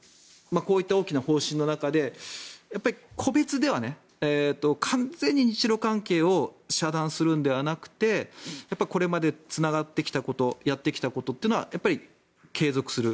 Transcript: こういった大きな方針の中でやっぱり個別では完全に日ロ関係を遮断するのではなくてこれまでつながってきたことやってきたことというのは継続する。